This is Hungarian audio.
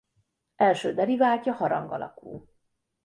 Első deriváltja harang alakú.